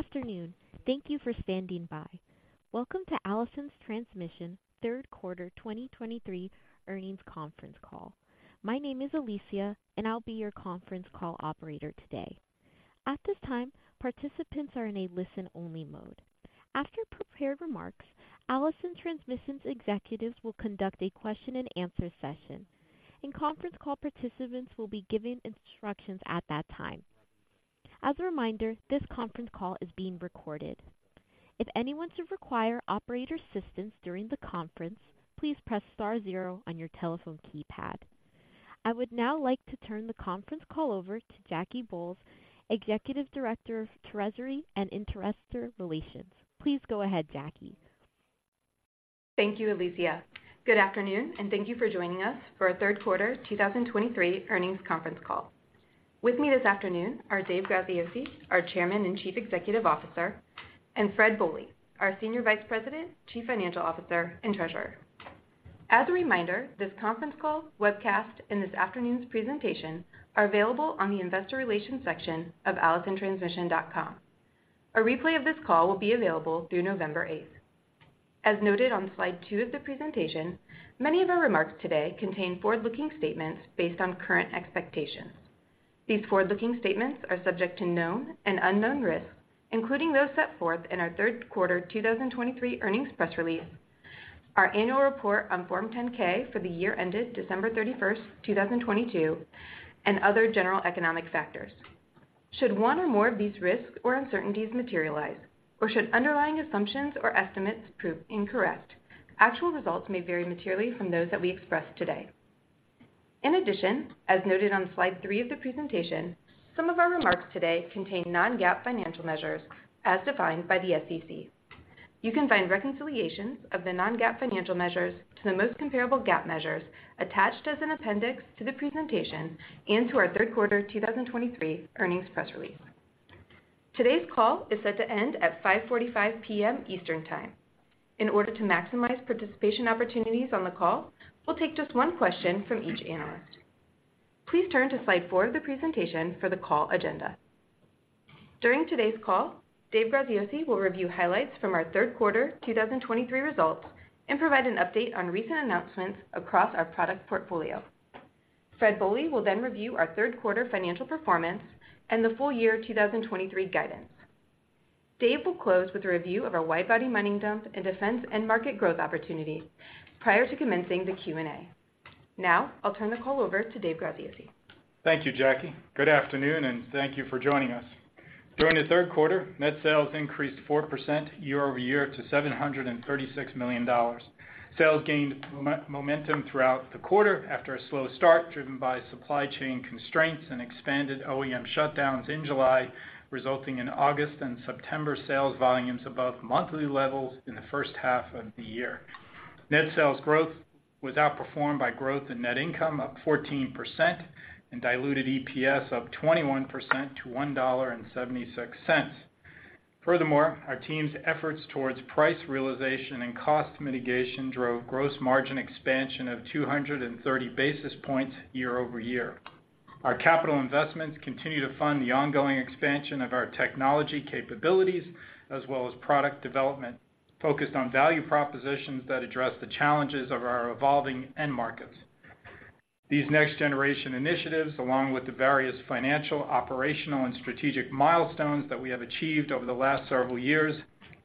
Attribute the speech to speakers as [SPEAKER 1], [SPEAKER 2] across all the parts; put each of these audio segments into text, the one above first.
[SPEAKER 1] Good afternoon. Thank you for standing by. Welcome to Allison Transmission third quarter 2023 earnings conference call. My name is Alicia, and I'll be your conference call operator today. At this time, participants are in a listen-only mode. After prepared remarks, Allison Transmission's executives will conduct a question-and-answer session, and conference call participants will be given instructions at that time. As a reminder, this conference call is being recorded. If anyone should require operator assistance during the conference, please press star zero on your telephone keypad. I would now like to turn the conference call over to Jackie Bolles, Executive Director of Treasury and Investor Relations. Please go ahead, Jackie.
[SPEAKER 2] Thank you, Alicia. Good afternoon, and thank you for joining us for our third quarter 2023 earnings conference call. With me this afternoon are Dave Graziosi, our Chairman and Chief Executive Officer, and Fred Bohley, our Senior Vice President, Chief Financial Officer, and Treasurer. As a reminder, this conference call, webcast, and this afternoon's presentation are available on the Investor Relations section of allisontransmission.com. A replay of this call will be available through November 8. As noted on slide two of the presentation, many of our remarks today contain forward-looking statements based on current expectations. These forward-looking statements are subject to known and unknown risks, including those set forth in our third quarter 2023 earnings press release, our annual report on Form 10-K for the year ended December 31, 2022, and other general economic factors. Should one or more of these risks or uncertainties materialize, or should underlying assumptions or estimates prove incorrect, actual results may vary materially from those that we express today. In addition, as noted on slide three of the presentation, some of our remarks today contain non-GAAP financial measures as defined by the SEC. You can find reconciliations of the non-GAAP financial measures to the most comparable GAAP measures attached as an appendix to the presentation and to our third quarter 2023 earnings press release. Today's call is set to end at 5:45 P.M. Eastern Time. In order to maximize participation opportunities on the call, we'll take just one question from each analyst. Please turn to slide four of the presentation for the call agenda. During today's call, Dave Graziosi will review highlights from our third quarter 2023 results and provide an update on recent announcements across our product portfolio. Fred Bohley will then review our third quarter financial performance and the full year 2023 guidance. Dave will close with a review of our wide-body mining dump and defense end market growth opportunities prior to commencing the Q&A. Now, I'll turn the call over to Dave Graziosi.
[SPEAKER 3] Thank you, Jackie. Good afternoon, and thank you for joining us. During the third quarter, net sales increased 4% year over year to $736 million. Sales gained momentum throughout the quarter after a slow start, driven by supply chain constraints and expanded OEM shutdowns in July, resulting in August and September sales volumes above monthly levels in the first half of the year. Net sales growth was outperformed by growth in net income, up 14% and diluted EPS, up 21% to $1.76. Furthermore, our team's efforts towards price realization and cost mitigation drove gross margin expansion of 230 basis points year over year. Our capital investments continue to fund the ongoing expansion of our technology capabilities, as well as product development focused on value propositions that address the challenges of our evolving end markets. These next-generation initiatives, along with the various financial, operational, and strategic milestones that we have achieved over the last several years,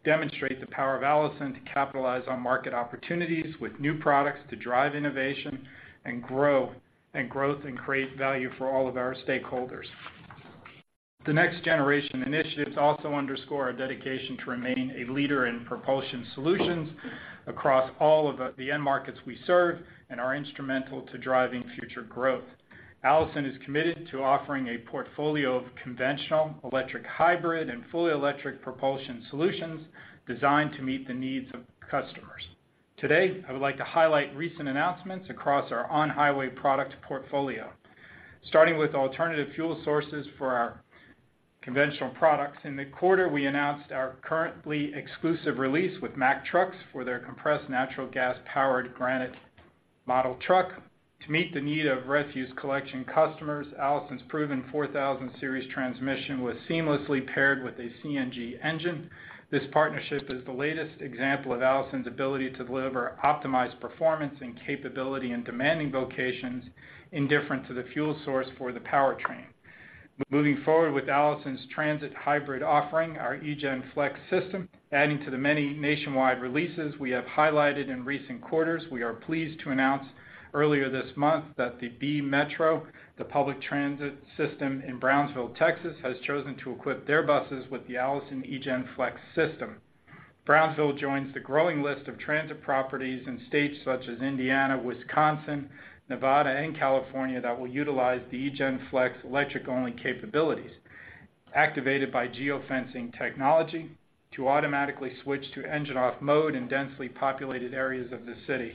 [SPEAKER 3] demonstrate the power of Allison to capitalize on market opportunities with new products, to drive innovation and growth, and create value for all of our stakeholders. The next-generation initiatives also underscore our dedication to remaining a leader in propulsion solutions across all of the end markets we serve and are instrumental to driving future growth. Allison is committed to offering a portfolio of conventional, electric, hybrid, and fully electric propulsion solutions designed to meet the needs of customers. Today, I would like to highlight recent announcements across our On-Highway product portfolio, starting with alternative fuel sources for our conventional products. In the quarter, we announced our currently exclusive release with Mack Trucks for their compressed natural gas-powered Granite model truck. To meet the need of refuse collection customers, Allison's proven 4000 Series transmission was seamlessly paired with a CNG engine. This partnership is the latest example of Allison's ability to deliver optimized performance and capability in demanding vocations, indifferent to the fuel source for the powertrain. Moving forward with Allison's transit hybrid offering, our eGen Flex system, adding to the many nationwide releases we have highlighted in recent quarters, we are pleased to announce earlier this month that the B-Metro, the public transit system in Brownsville, Texas, has chosen to equip their buses with the Allison eGen Flex system. Brownsville joins the growing list of transit properties in states such as Indiana, Wisconsin, Nevada, and California that will utilize the eGen Flex electric-only capabilities, activated by Geofencing technology to automatically switch to engine-off mode in densely populated areas of the city.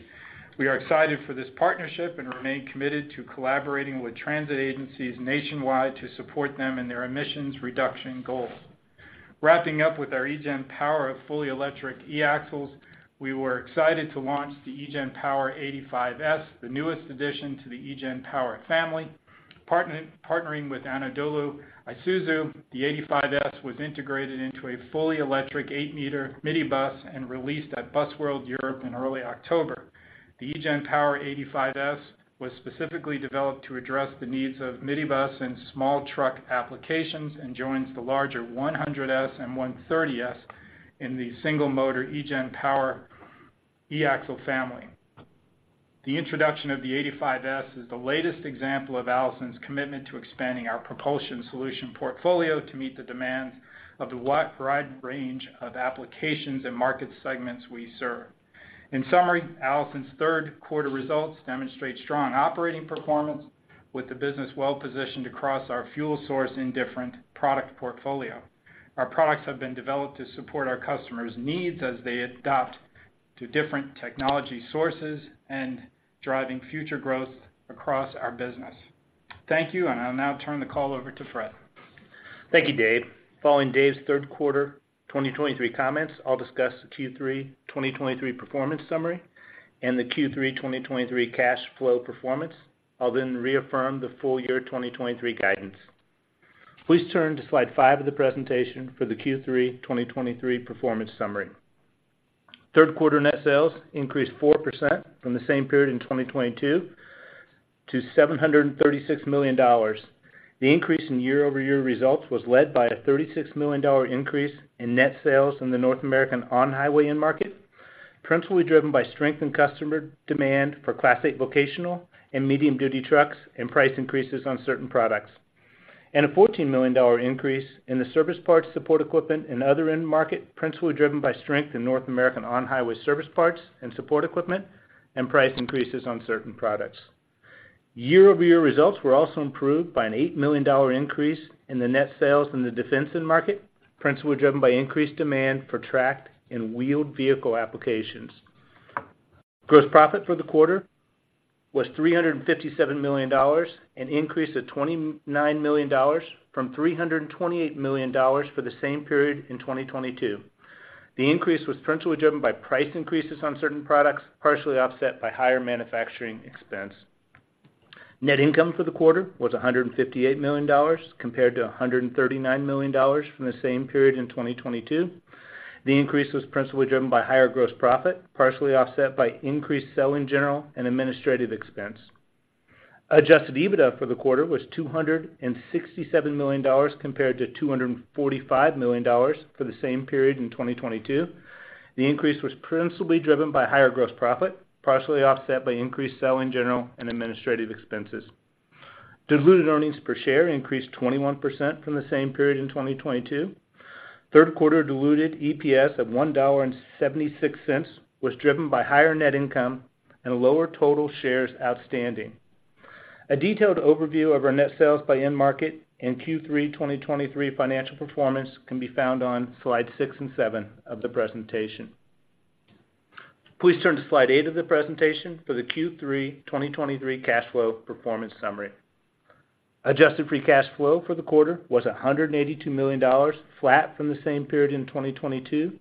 [SPEAKER 3] We are excited for this partnership and remain committed to collaborating with transit agencies nationwide to support them in their emissions reduction goals. Wrapping up with our eGen Power of fully electric e-Axles, we were excited to launch the eGen Power 85S, the newest addition to the eGen Power family. Partnering with Anadolu Isuzu, the 85S was integrated into a fully electric 8 m minibus and released at Busworld Europe in early October. The eGen Power 85S was specifically developed to address the needs of minibus and small truck applications, and joins the larger 100S and 130S in the single motor eGen Power e-Axle family. The introduction of the 85S is the latest example of Allison's commitment to expanding our propulsion solution portfolio to meet the demands of the wide variety, range of applications and market segments we serve. In summary, Allison's third quarter results demonstrate strong operating performance, with the business well-positioned across our fuel source in different product portfolio. Our products have been developed to support our customers' needs as they adapt to different technology sources and driving future growth across our business. Thank you, and I'll now turn the call over to Fred.
[SPEAKER 4] Thank you, Dave. Following Dave's third quarter 2023 comments, I'll discuss the Q3 2023 performance summary and the Q3 2023 cash flow performance. I'll then reaffirm the full year 2023 guidance. Please turn to slide five of the presentation for the Q3 2023 performance summary. Third quarter net sales increased 4% from the same period in 2022 to $736 million. The increase in year-over-year results was led by a $36 million increase in net sales from the North American On-Highway end market, principally driven by strength in customer demand for Class 8 vocational and medium-duty trucks and price increases on certain products, and a $14 million increase in the service parts, support equipment, and other end market, principally driven by strength in North American On-Highway service parts and support equipment, and price increases on certain products. Year-over-year results were also improved by an $8 million increase in the net sales from the defense end market, principally driven by increased demand for tracked and wheeled vehicle applications. Gross profit for the quarter was $357 million, an increase of $29 million from $328 million for the same period in 2022. The increase was principally driven by price increases on certain products, partially offset by higher manufacturing expense. Net income for the quarter was $158 million, compared to $139 million from the same period in 2022. The increase was principally driven by higher gross profit, partially offset by increased selling, general, and administrative expense. Adjusted EBITDA for the quarter was $267 million, compared to $245 million for the same period in 2022. The increase was principally driven by higher gross profit, partially offset by increased selling, general, and administrative expenses. Diluted earnings per share increased 21% from the same period in 2022. Third quarter diluted EPS of $1.76 was driven by higher net income and a lower total shares outstanding. A detailed overview of our net sales by end market and Q3 2023 financial performance can be found on slides six and seven of the presentation. Please turn to slide eight of the presentation for the Q3 2023 cash flow performance summary. Adjusted free cash flow for the quarter was $182 million, flat from the same period in 2022,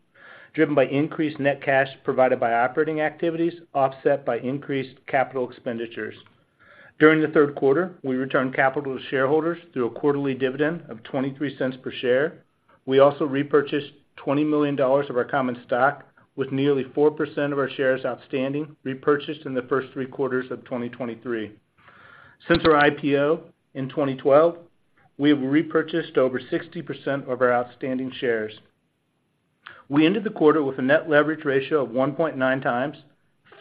[SPEAKER 4] driven by increased net cash provided by operating activities, offset by increased capital expenditures. During the third quarter, we returned capital to shareholders through a quarterly dividend of $0.23 per share. We also repurchased $20 million of our common stock, with nearly 4% of our shares outstanding, repurchased in the first three quarters of 2023. Since our IPO in 2012, we have repurchased over 60% of our outstanding shares. We ended the quarter with a net leverage ratio of 1.9x,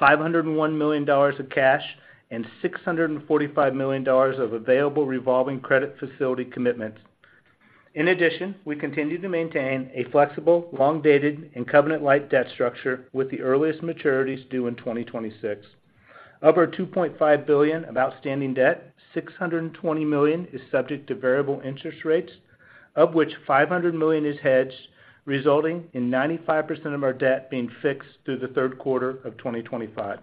[SPEAKER 4] $501 million of cash, and $645 million of available revolving credit facility commitments. In addition, we continue to maintain a flexible, long-dated and covenant-light debt structure, with the earliest maturities due in 2026. Of our $2.5 billion of outstanding debt, $620 million is subject to variable interest rates, of which $500 million is hedged, resulting in 95% of our debt being fixed through the third quarter of 2025.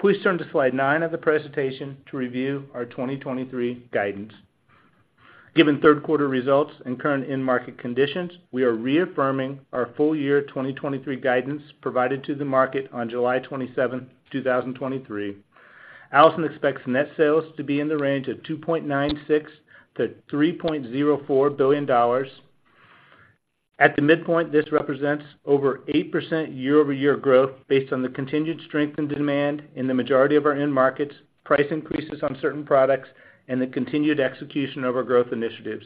[SPEAKER 4] Please turn to slide nine of the presentation to review our 2023 guidance. Given third quarter results and current end market conditions, we are reaffirming our full year 2023 guidance provided to the market on July 27, 2023. Allison expects net sales to be in the range of $2.96 billion-$3.04 billion. At the midpoint, this represents over 8% year-over-year growth based on the continued strength and demand in the majority of our end markets, price increases on certain products, and the continued execution of our growth initiatives,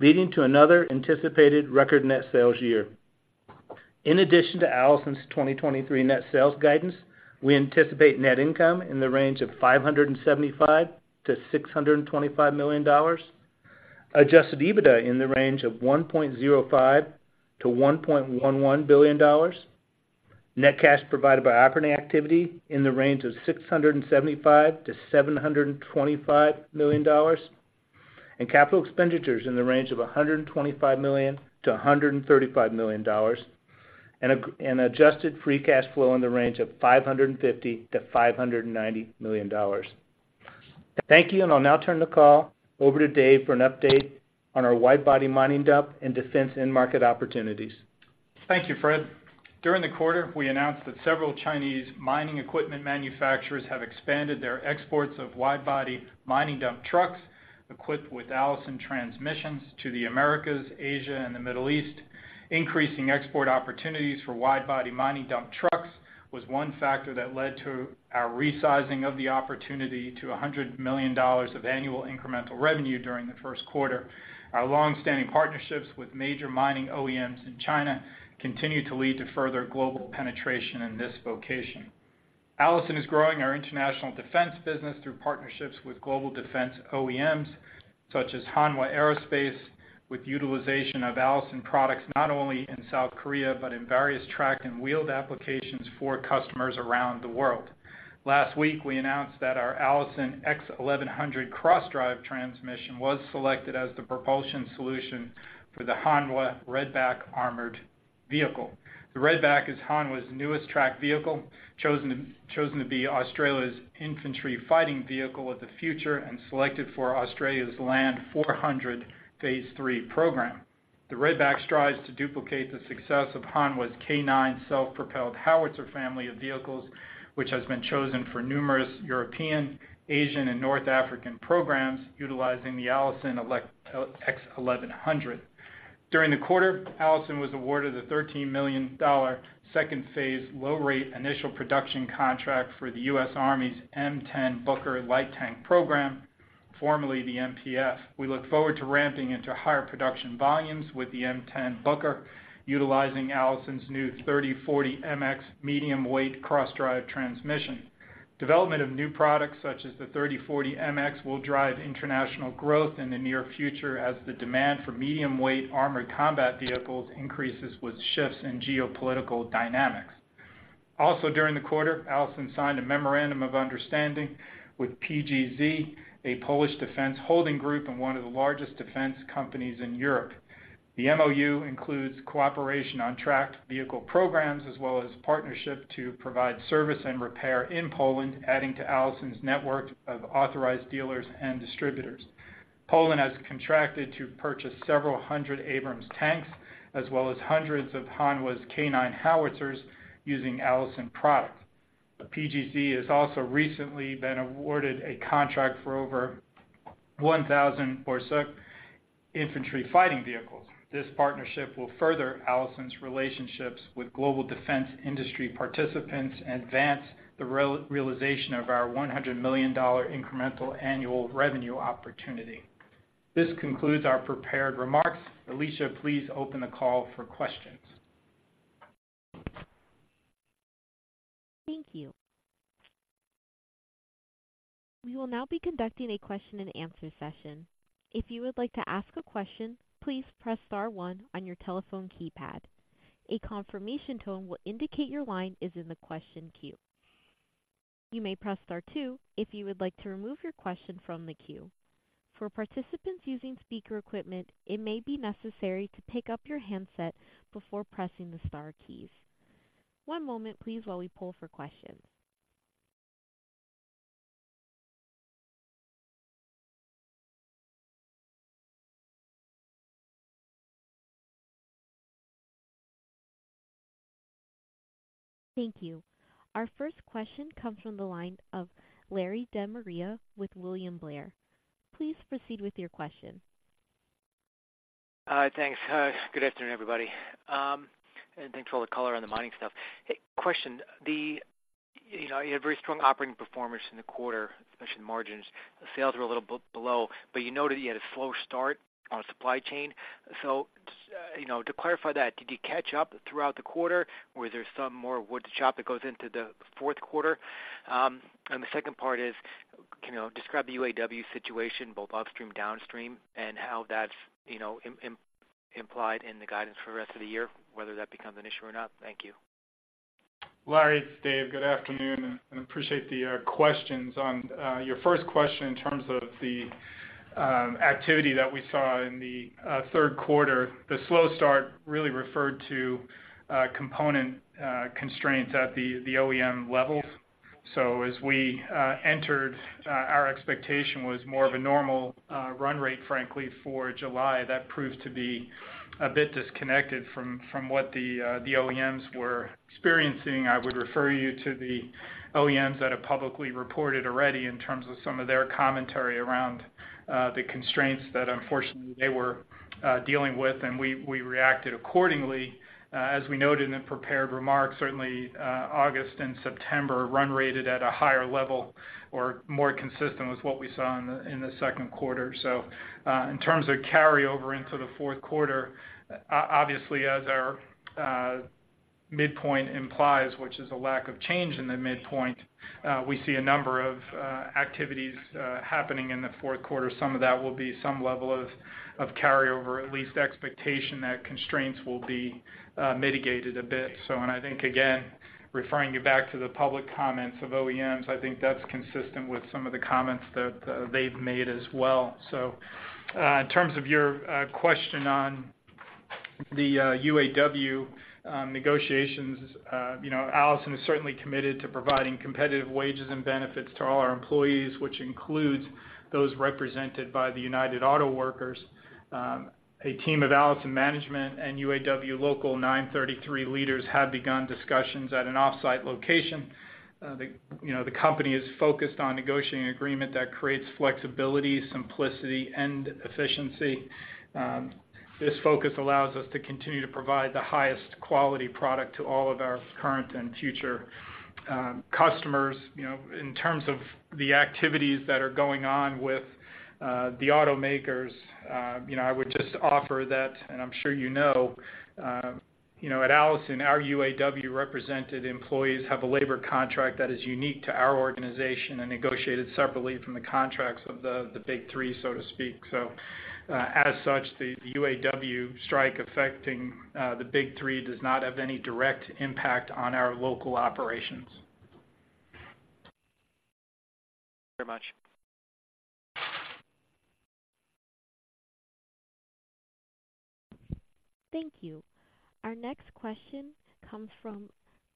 [SPEAKER 4] leading to another anticipated record net sales year. In addition to Allison's 2023 net sales guidance, we anticipate net income in the range of $575 million-$625 million, Adjusted EBITDA in the range of $1.05 billion-$1.11 billion, net cash provided by operating activity in the range of $675 million-$725 million, and capital expenditures in the range of $125 million-$135 million, and adjusted free cash flow in the range of $550 million-$590 million. Thank you, and I'll now turn the call over to Dave for an update on our wide-body mining dump and defense end market opportunities.
[SPEAKER 3] Thank you, Fred. During the quarter, we announced that several Chinese mining equipment manufacturers have expanded their exports of wide-body mining dump trucks equipped with Allison transmissions to the Americas, Asia, and the Middle East. Increasing export opportunities for wide-body mining dump trucks was one factor that led to our resizing of the opportunity to $100 million of annual incremental revenue during the first quarter. Our long-standing partnerships with major mining OEMs in China continue to lead to further global penetration in this vocation. Allison is growing our international defense business through partnerships with global defense OEMs, such as Hanwha Aerospace, with utilization of Allison products not only in South Korea but in various tracked and wheeled applications for customers around the world. Last week, we announced that our Allison X1100 cross-drive transmission was selected as the propulsion solution for the Hanwha Redback armored vehicle. The Redback is Hanwha's newest tracked vehicle, chosen to be Australia's infantry fighting vehicle of the future and selected for Australia's LAND 400 Phase 3 program. The Redback strives to duplicate the success of Hanwha's K9 self-propelled howitzer family of vehicles, which has been chosen for numerous European, Asian, and North African programs utilizing the Allison X1100. During the quarter, Allison was awarded the $13 million second-phase, low-rate initial production contract for the U.S. Army's M10 Booker light tank program, formerly the MPF. We look forward to ramping into higher production volumes with the M10 Booker, utilizing Allison's new 3040 MX medium weight cross-drive transmission. Development of new products, such as the 3040 MX, will drive international growth in the near future as the demand for medium-weight armored combat vehicles increases with shifts in geopolitical dynamics. Also, during the quarter, Allison signed a memorandum of understanding with PGZ, a Polish defense holding group and one of the largest defense companies in Europe. The MOU includes cooperation on tracked vehicle programs, as well as partnership to provide service and repair in Poland, adding to Allison's network of authorized dealers and distributors. Poland has contracted to purchase several hundred Abrams tanks, as well as hundreds of Hanwha's K9 howitzers using Allison products. The PGZ has also recently been awarded a contract for over 1,000 Borsuk infantry fighting vehicles. This partnership will further Allison's relationships with global defense industry participants and advance the realization of our $100 million incremental annual revenue opportunity. This concludes our prepared remarks. Alicia, please open the call for questions.
[SPEAKER 1] Thank you. We will now be conducting a question-and-answer session. If you would like to ask a question, please press star one on your telephone keypad. A confirmation tone will indicate your line is in the question queue. You may press star two if you would like to remove your question from the queue. For participants using speaker equipment, it may be necessary to pick up your handset before pressing the star keys. One moment, please, while we pull for questions. Thank you. Our first question comes from the line of Larry De Maria with William Blair. Please proceed with your question.
[SPEAKER 5] Thanks. Good afternoon, everybody, and thanks for all the color on the mining stuff. Question, you know, you had very strong operating performance in the quarter, especially the margins. The sales were a little below, but you noted you had a slow start on supply chain. So, you know, to clarify that, did you catch up throughout the quarter, or is there some more wood to chop that goes into the fourth quarter? And the second part is, can you describe the UAW situation, both upstream, downstream, and how that's, you know, implied in the guidance for the rest of the year, whether that becomes an issue or not? Thank you.
[SPEAKER 3] Larry, it's Dave. Good afternoon, and appreciate the questions. On your first question, in terms of the activity that we saw in the third quarter, the slow start really referred to component constraints at the OEM levels. So as we entered our expectation was more of a normal run rate, frankly, for July. That proved to be a bit disconnected from what the OEMs were experiencing. I would refer you to the OEMs that have publicly reported already in terms of some of their commentary around the constraints that unfortunately they were dealing with, and we reacted accordingly. As we noted in the prepared remarks, certainly August and September run rated at a higher level or more consistent with what we saw in the second quarter. So, in terms of carryover into the fourth quarter, obviously, as our midpoint implies, which is a lack of change in the midpoint, we see a number of activities happening in the fourth quarter. Some of that will be some level of carryover, at least expectation that constraints will be mitigated a bit. So and I think, again, referring you back to the public comments of OEMs, I think that's consistent with some of the comments that they've made as well. So, in terms of your question on the UAW negotiations, you know, Allison is certainly committed to providing competitive wages and benefits to all our employees, which includes those represented by the United Auto Workers. A team of Allison management and UAW Local 933 leaders have begun discussions at an off-site location. You know, the company is focused on negotiating an agreement that creates flexibility, simplicity, and efficiency. This focus allows us to continue to provide the highest quality product to all of our current and future customers. You know, in terms of the activities that are going on with the automakers, you know, I would just offer that, and I'm sure you know, at Allison, our UAW-represented employees have a labor contract that is unique to our organization and negotiated separately from the contracts of the Big Three, so to speak. So, as such, the UAW strike affecting the Big Three does not have any direct impact on our local operations.
[SPEAKER 5] Very much.
[SPEAKER 1] Thank you. Our next question comes from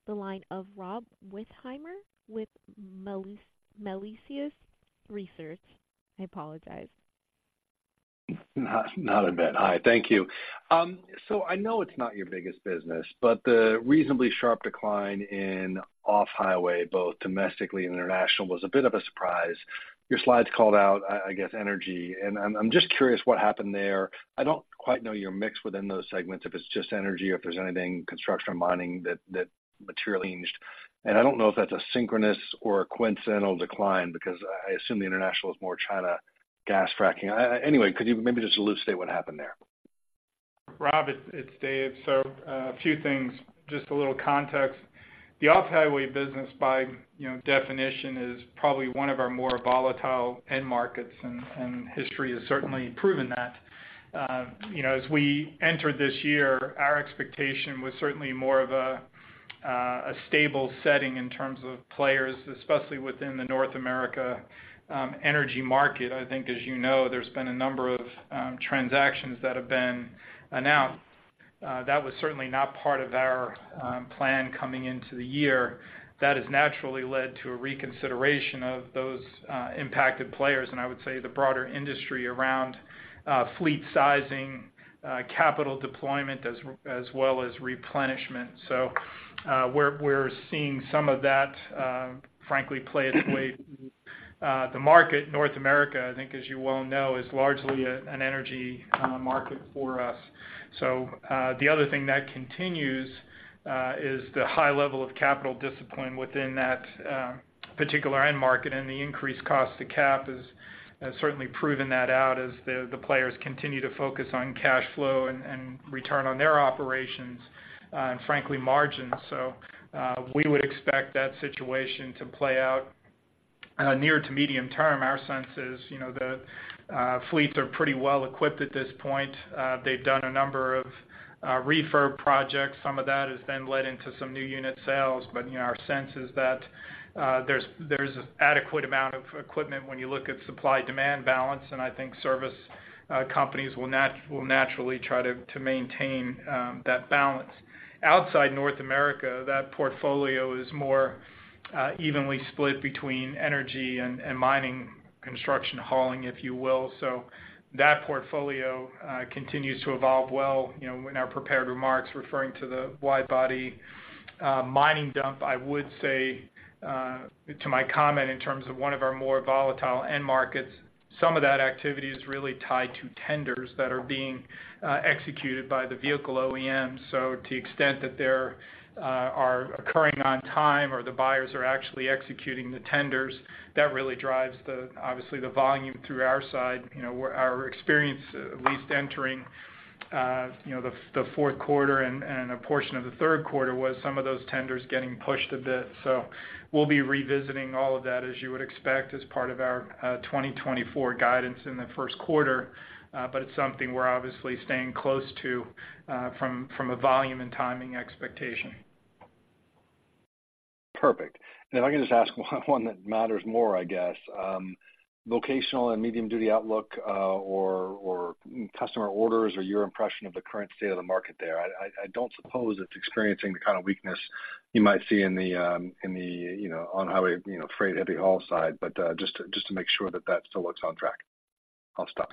[SPEAKER 1] the line of Rob Wertheimer with Melius Research. I apologize.
[SPEAKER 6] Not, not a bit. Hi, thank you. So I know it's not your biggest business, but the reasonably sharp decline in Off-Highway, both domestically and international, was a bit of a surprise. Your slides called out, I, I guess, energy, and I'm, I'm just curious what happened there. I don't quite know your mix within those segments, if it's just energy or if there's anything, construction or mining, that, that materially changed. And I don't know if that's a synchronous or a coincidental decline, because I, I assume the international is more China gas fracking. Anyway, could you maybe just elucidate what happened there?
[SPEAKER 3] Rob, it's Dave. So, a few things, just a little context. The Off-Highway business, by you know definition, is probably one of our more volatile end markets, and history has certainly proven that. You know, as we entered this year, our expectation was certainly more of a stable setting in terms of players, especially within the North American energy market. I think, as you know, there's been a number of transactions that have been announced. That was certainly not part of our plan coming into the year. That has naturally led to a reconsideration of those impacted players, and I would say the broader industry around fleet sizing, capital deployment, as well as replenishment. So, we're seeing some of that, frankly, play its way through the market. North America, I think, as you well know, is largely an energy market for us. So, the other thing that continues is the high level of capital discipline within that particular end market, and the increased cost to cap has certainly proven that out as the players continue to focus on cash flow and return on their operations, and frankly, margins. So, we would expect that situation to play out, near to medium term. Our sense is, you know, the fleets are pretty well equipped at this point. They've done a number of refurb projects. Some of that has then led into some new unit sales, but, you know, our sense is that there's adequate amount of equipment when you look at supply-demand balance, and I think service companies will naturally try to maintain that balance. Outside North America, that portfolio is more evenly split between energy and mining, construction, hauling, if you will. So that portfolio continues to evolve well. You know, in our prepared remarks, referring to the wide-body mining dump, I would say to my comment, in terms of one of our more volatile end markets, some of that activity is really tied to tenders that are being executed by the vehicle OEMs. So to the extent that they're occurring on time or the buyers are actually executing the tenders, that really drives the—obviously, the volume through our side. You know, our experience, at least entering, you know, the fourth quarter and a portion of the third quarter, was some of those tenders getting pushed a bit. So we'll be revisiting all of that, as you would expect, as part of our 2024 guidance in the first quarter. But it's something we're obviously staying close to, from a volume and timing expectation.
[SPEAKER 6] Perfect. And if I can just ask one that matters more, I guess. vocational and medium-duty outlook, or, or customer orders, or your impression of the current state of the market there. I don't suppose it's experiencing the kind of weakness you might see in the you know, On-Highway, you know, freight heavy-haul side, but just to make sure that that still looks on track. I'll stop.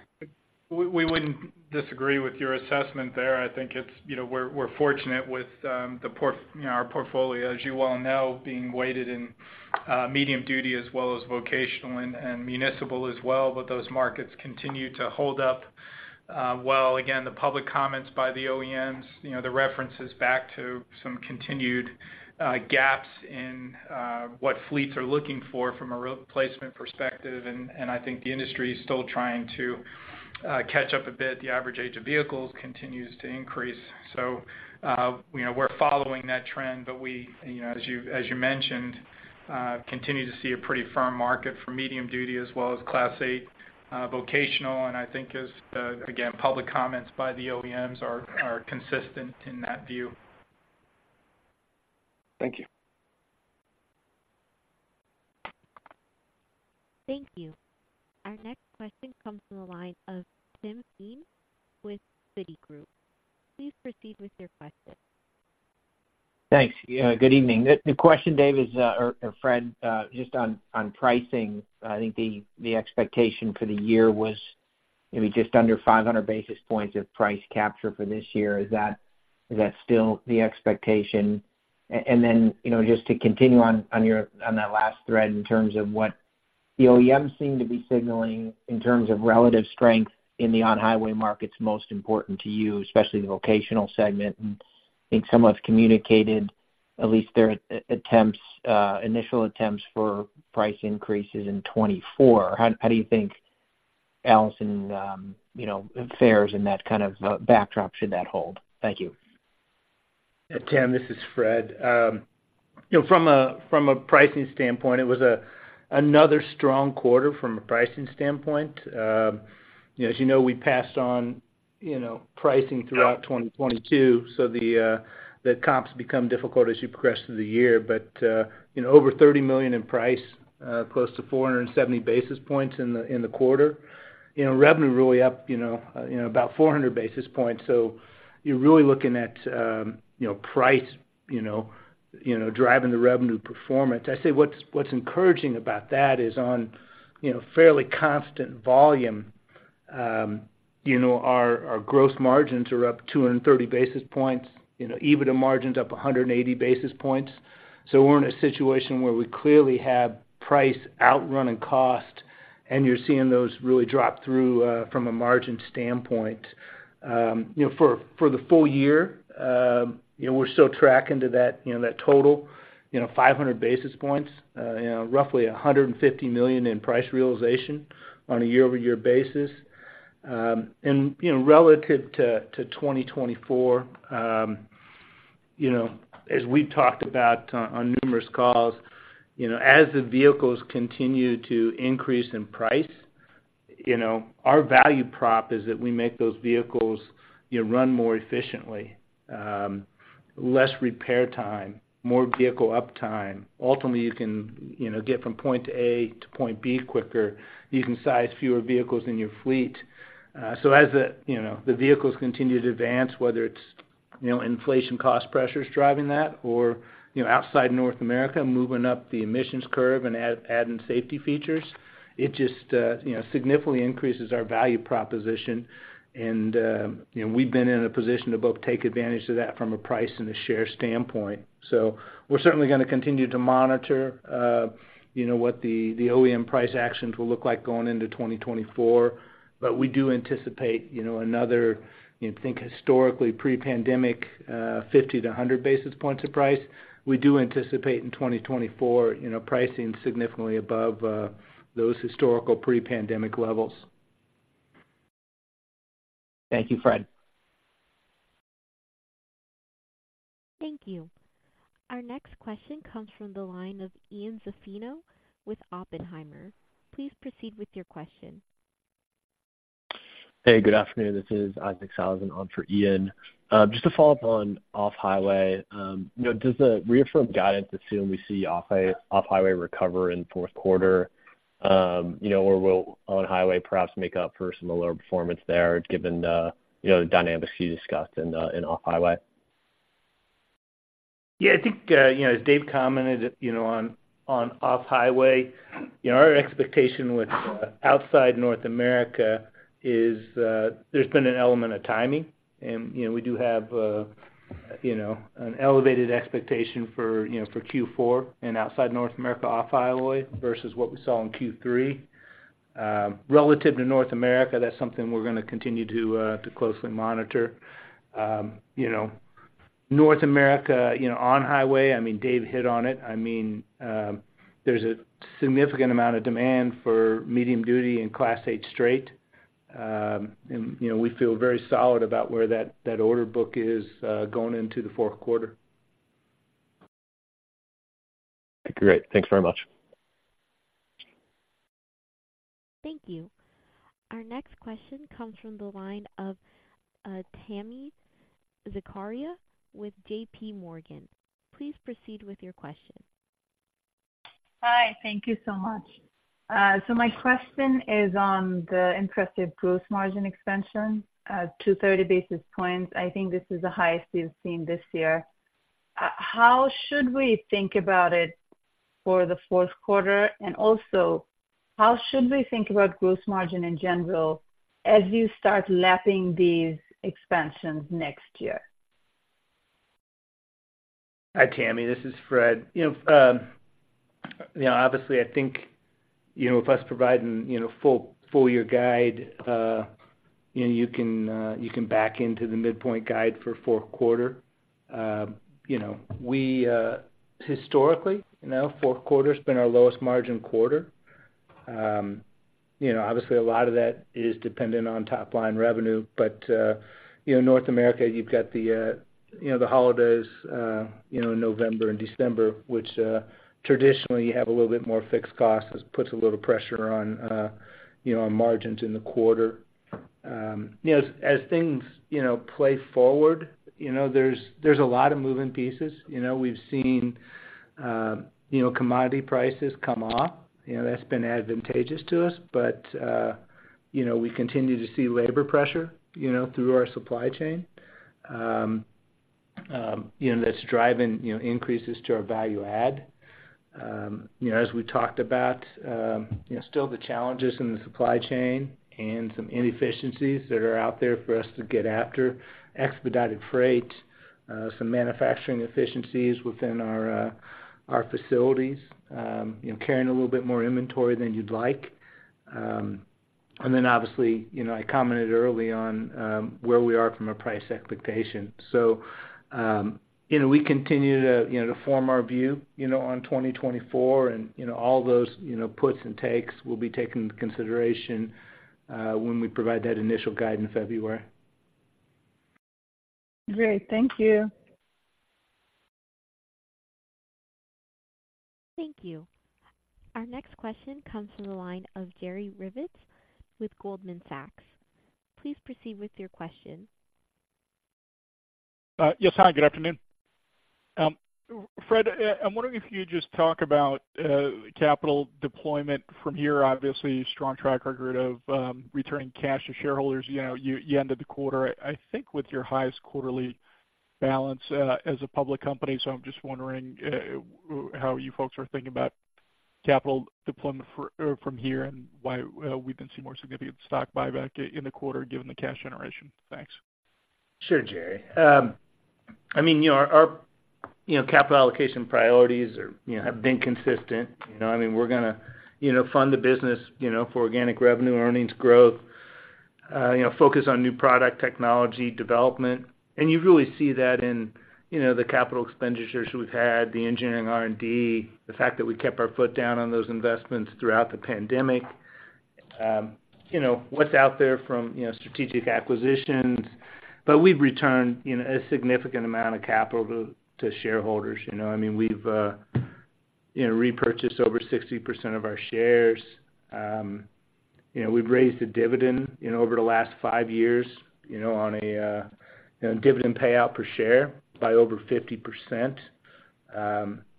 [SPEAKER 3] We wouldn't disagree with your assessment there. I think it's, you know, we're fortunate with, you know, our portfolio, as you well know, being weighted in medium-duty as well as vocational and municipal as well, but those markets continue to hold up well. Again, the public comments by the OEMs, you know, the references back to some continued gaps in what fleets are looking for from a replacement perspective, and I think the industry is still trying to catch up a bit. The average age of vehicles continues to increase, so, you know, we're following that trend. We, you know, as you mentioned, continue to see a pretty firm market for medium-duty as well as Class 8 vocational, and I think as the, again, public comments by the OEMs are consistent in that view.
[SPEAKER 6] Thank you.
[SPEAKER 1] Thank you. Our next question comes from the line of Tim Thein with Citigroup. Please proceed with your question.
[SPEAKER 7] Thanks. Yeah, good evening. The question, Dave, is, or Fred, just on pricing. I think the expectation for the year was maybe just under 500 basis points of price capture for this year. Is that still the expectation? And then, you know, just to continue on your last thread, in terms of what the OEMs seem to be signaling in terms of relative strength in the On-Highway markets most important to you, especially the vocational segment, and I think some have communicated at least their attempts, initial attempts for price increases in 2024. How do you think Allison fares in that kind of backdrop, should that hold? Thank you.
[SPEAKER 4] Yeah, Tim, this is Fred. You know, from a pricing standpoint, it was another strong quarter from a pricing standpoint. You know, as you know, we passed on pricing throughout 2022, so the comps become difficult as you progress through the year. But, you know, over $30 million in price, close to 470 basis points in the quarter. You know, revenue really up about 400 basis points. So you're really looking at price driving the revenue performance. I'd say what's encouraging about that is on fairly constant volume, you know, our gross margins are up 230 basis points, you know, EBITDA margins up 180 basis points. So we're in a situation where we clearly have price outrunning cost, and you're seeing those really drop through, from a margin standpoint. You know, for, for the full year, you know, we're still tracking to that, you know, that total 500 basis points, you know, roughly $150 million in price realization on a year-over-year basis. And, you know, relative to 2024, you know, as we've talked about on numerous calls, you know, as the vehicles continue to increase in price, you know, our value prop is that we make those vehicles, you know, run more efficiently. Less repair time, more vehicle uptime. Ultimately, you can, you know, get from point A to point B quicker. You can size fewer vehicles in your fleet. So as the, you know, the vehicles continue to advance, whether it's, you know, inflation cost pressures driving that, or, you know, outside North America, moving up the emissions curve and adding safety features, it just, you know, significantly increases our value proposition. And, you know, we've been in a position to both take advantage of that from a price and a share standpoint. So we're certainly gonna continue to monitor, you know, what the, the OEM price actions will look like going into 2024, but we do anticipate, you know, another, you know, think historically pre-pandemic, 50-100 basis points of price. We do anticipate in 2024, you know, pricing significantly above, those historical pre-pandemic levels.
[SPEAKER 7] Thank you, Fred.
[SPEAKER 1] Thank you. Our next question comes from the line of Ian Zaffino with Oppenheimer. Please proceed with your question.
[SPEAKER 8] Hey, good afternoon. This is Isaac Sellhausen on for Ian. Just to follow up on Off-Highway, you know, does the reaffirm guidance assume we see Off-Highway recover in fourth quarter? You know, or will On-Highway perhaps make up for some of the lower performance there, given the, you know, the dynamics you discussed in Off-Highway?
[SPEAKER 4] Yeah, I think, you know, as Dave commented, you know, on, on Off-Highway, you know, our expectation with, outside North America is, there's been an element of timing. And, you know, we do have, you know, an elevated expectation for, you know, for Q4 and outside North America, Off-Highway, versus what we saw in Q3. Relative to North America, that's something we're gonna continue to, to closely monitor. You know, North America, you know, On-Highway, I mean, Dave hit on it. I mean, there's a significant amount of demand for medium-duty and Class 8 straight. And, you know, we feel very solid about where that, that order book is, going into the fourth quarter.
[SPEAKER 8] Great. Thanks very much.
[SPEAKER 1] Thank you. Our next question comes from the line of Tami Zakaria with JPMorgan. Please proceed with your question.
[SPEAKER 9] Hi, thank you so much. My question is on the impressive gross margin expansion, 230 Basis Points. I think this is the highest we've seen this year. How should we think about it for the fourth quarter? And also, how should we think about Gross Margin in general as you start lapping these expansions next year?
[SPEAKER 4] Hi, Tami, this is Fred. You know, obviously, I think, you know, with us providing, you know, full full-year guide, you know, you can, you can back into the midpoint guide for fourth quarter. You know, we, historically, you know, fourth quarter's been our lowest margin quarter. You know, obviously a lot of that is dependent on top-line revenue, but, you know, North America, you've got the, you know, the holidays, you know, November and December, which, traditionally you have a little bit more fixed costs, which puts a little pressure on, you know, on margins in the quarter. You know, as things, you know, play forward, you know, there's, there's a lot of moving pieces. You know, we've seen, you know, commodity prices come off. You know, that's been advantageous to us, but, you know, we continue to see labor pressure, you know, through our supply chain. You know, that's driving, you know, increases to our value add. You know, as we talked about, you know, still the challenges in the supply chain and some inefficiencies that are out there for us to get after. Expedited freight, some manufacturing efficiencies within our facilities, you know, carrying a little bit more inventory than you'd like. And then obviously, you know, I commented early on, where we are from a price expectation. So, you know, we continue to, you know, to form our view, you know, on 2024, and, you know, all those, you know, puts and takes will be taken into consideration, when we provide that initial guide in February.
[SPEAKER 9] Great. Thank you.
[SPEAKER 1] Thank you. Our next question comes from the line of Jerry Revich with Goldman Sachs. Please proceed with your question.
[SPEAKER 10] Yes, hi, good afternoon. Fred, I'm wondering if you could just talk about capital deployment from here. Obviously, a strong track record of returning cash to shareholders. You know, you ended the quarter, I think, with your highest quarterly balance as a public company. So I'm just wondering how you folks are thinking about capital deployment from here, and why we didn't see more significant stock buyback in the quarter given the cash generation? Thanks.
[SPEAKER 4] Sure, Jerry. I mean, you know, our capital allocation priorities are, you know, have been consistent. You know, I mean, we're gonna, you know, fund the business, you know, for organic revenue and earnings growth, you know, focus on new product technology development. And you really see that in, you know, the capital expenditures we've had, the engineering R&D, the fact that we kept our foot down on those investments throughout the pandemic. You know, what's out there from, you know, strategic acquisitions. But we've returned, you know, a significant amount of capital to shareholders. You know, I mean, we've, you know, repurchased over 60% of our shares. You know, we've raised the dividend, you know, over the last five years, you know, on a, you know, dividend payout per share by over 50%.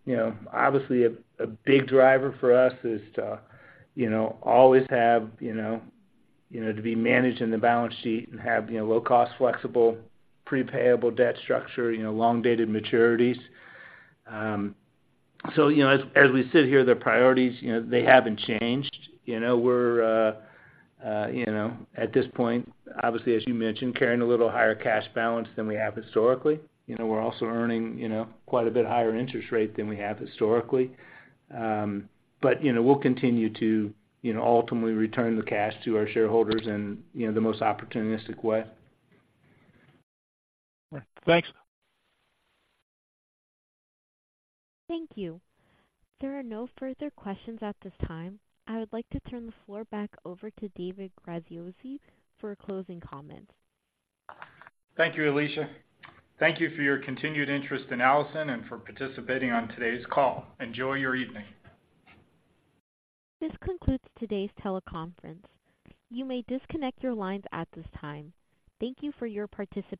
[SPEAKER 4] You know, obviously, a big driver for us is to, you know, always have, you know, you know, to be managing the balance sheet and have, you know, low cost, flexible, prepayable debt structure, you know, long dated maturities. So, you know, as we sit here, the priorities, you know, they haven't changed. You know, we're at this point, obviously, as you mentioned, carrying a little higher cash balance than we have historically. You know, we're also earning, you know, quite a bit higher interest rate than we have historically. But, you know, we'll continue to, you know, ultimately return the cash to our shareholders in, you know, the most opportunistic way.
[SPEAKER 10] Thanks.
[SPEAKER 1] Thank you. There are no further questions at this time. I would like to turn the floor back over to David Graziosi for a closing comment.
[SPEAKER 3] Thank you, Alicia. Thank you for your continued interest in Allison and for participating on today's call. Enjoy your evening.
[SPEAKER 1] This concludes today's teleconference. You may disconnect your lines at this time. Thank you for your participation.